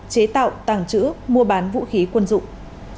chế tạo tàng trữ mua bán vũ khí quân dụng